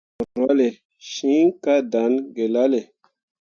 Rwahlle siŋ ka dan gelale.